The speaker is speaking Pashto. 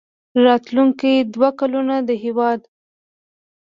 راتلونکي دوه کلونه د هېواد